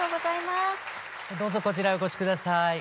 どうぞこちらへお越し下さい。